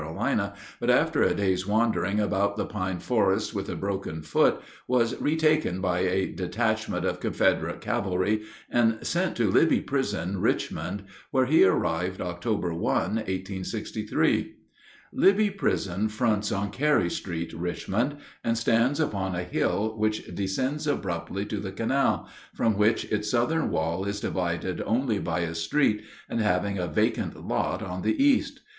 but, after a day's wandering about the pine forests with a broken foot, was retaken by a detachment of Confederate cavalry and sent to Libby Prison, Richmond, where he arrived October 1, 1863. [Illustration: COLONEL THOMAS E. ROSE.] Libby Prison fronts on Carey street, Richmond, and stands upon a hill which descends abruptly to the canal, from which its southern wall is divided only by a street, and having a vacant lot on the east.